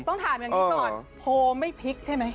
ต้องถามอย่างนี้ก่อนโพลไม่พลิกใช่ไหม